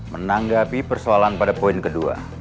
menanggapi persoalan pada poin kedua